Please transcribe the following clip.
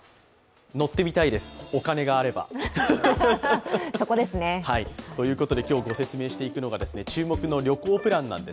乗ってみたいです、お金があればということで今日ご説明していくのが注目の旅行プランなんです。